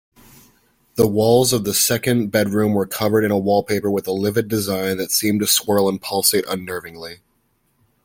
The walls of the second bedroom were covered in a wallpaper with a livid design that seemed to swirl and pulsate unnervingly.